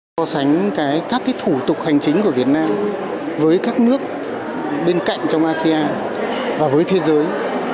co sánh cái các cái thủ tục hành chính của việt nam với các nước bên cạnh trong asia và với thế giới